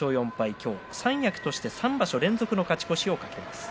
三役として３場所連続の勝ち越しを懸けます。